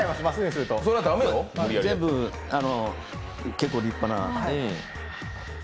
全部、結構立派な。